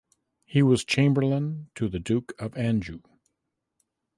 He was Chamberlain to the Duke of Anjou.